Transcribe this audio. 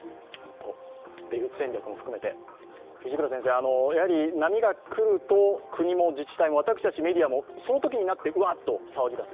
出口戦略も含めて、波が来ると国も自治体も、私たちメディアもそのときになって騒ぎだす。